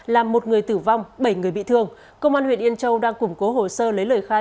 làm một người tử vong bảy người bị thương công an huyện yên châu đang củng cố hồ sơ lấy lời khai